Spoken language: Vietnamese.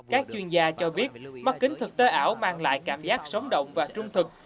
các chuyên gia cho biết mắt kính thực tế ảo mang lại cảm giác sống động và trung thực